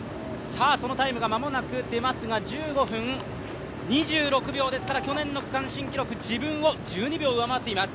そのタイムが間もなく出ますが１５分２６秒ですから、去年の区間新記録、自分を１２秒上回っています。